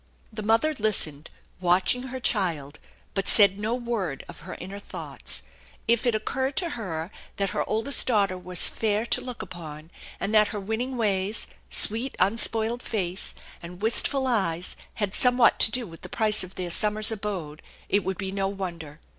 The mother listened, watching her child, but said no wore of her inner thoughts. If it occurred to her that her oldest daughter was fair to look upon, and that her winning ways, sweet, unspoiled face, and wistful eyes had somewhat to do with the price of their summer's abode, it would be no wonder.